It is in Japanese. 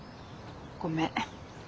ごめん。